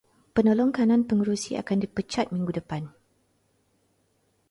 Penolong kanan pengerusi akan dipecat minggu depan.